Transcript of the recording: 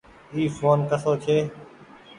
اي ڦون ڪسو ڇي۔